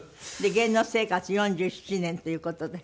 芸能生活４７年という事で。